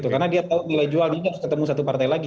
karena dia tahu nilai jualnya harus ketemu satu partai lagi